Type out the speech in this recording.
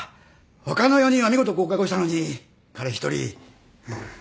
他の４人は見事合格をしたのに彼一人。